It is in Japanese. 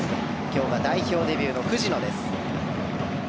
今日が代表デビューの藤野です。